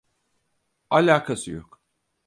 Alakası yok.